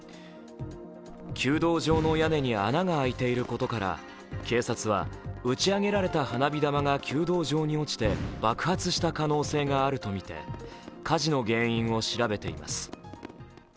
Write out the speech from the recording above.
弓道場の屋根に穴が開いていることから警察は打ち上げられた花火球が弓道場に落ちて爆発した可能性があるとみて火事の原因を調べています。